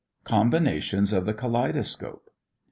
COMBINATIONS OF THE KALEIDOSCOPE.